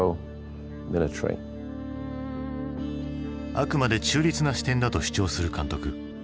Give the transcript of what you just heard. あくまで中立な視点だと主張する監督。